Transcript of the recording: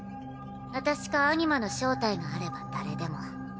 私かアニマの招待があれば誰でも。